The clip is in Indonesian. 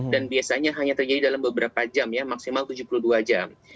dan biasanya hanya terjadi dalam beberapa jam ya maksimal tujuh puluh dua jam